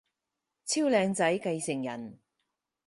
超靚仔繼承人